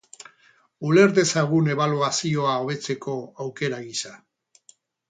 Uler dezagun ebaluazioa hobetzeko aukera gisa.